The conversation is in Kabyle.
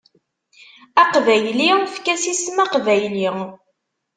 Aqbayli efk-as isem aqbayli.